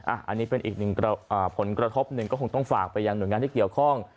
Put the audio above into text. อันนี้เป็นอีกหนึ่งผลกระทบหนึ่งก็คงต้องฝากไปยังหน่วยงานที่เกี่ยวข้อง